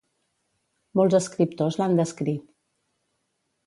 Molts escriptors l'han descrit.